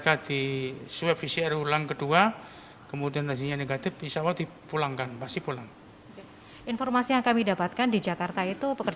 asrama haji surabaya jawa timur